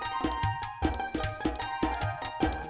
mbak surti kamu sudah berhasil